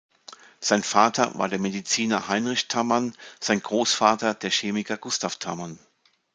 Sein Vater war der Mediziner Heinrich Tammann, sein Großvater der Chemiker Gustav Tammann.